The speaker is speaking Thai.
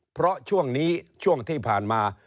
เพราะช่วงนี้ช่วงที่ผ่านมา